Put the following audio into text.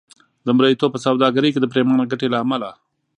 د مریتوب په سوداګرۍ کې د پرېمانه ګټې له امله.